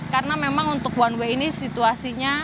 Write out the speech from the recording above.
karena memang untuk one way ini situasinya